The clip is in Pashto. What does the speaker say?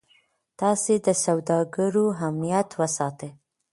تاسي د سوداګرو امنیت وساتئ.